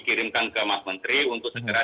kirimkan ke mas menteri untuk segera